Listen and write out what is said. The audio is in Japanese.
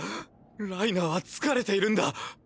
ライナーは疲れているんだ！